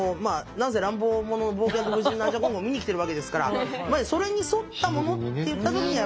なんせ乱暴者傍若無人なアジャコングを見に来てるわけですからそれに沿ったものっていった時にはやっぱり「おれ」なのかなっていう。